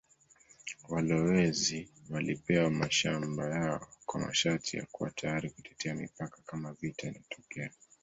Walowezi walipewa mashamba yao kwa masharti ya kuwa tayari kutetea mipaka kama vita inatokea.